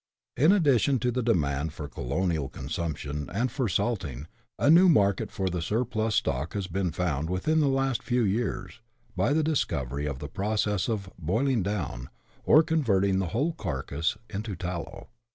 In addition to the demand for colonial consumption, and for salting, a new market for the surplus stock has been found within the last few years, by the discovery of the process of " boiling down," or converting the whole carcase into tallow.